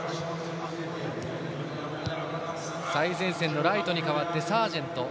最前線のライトに代わってサージェント。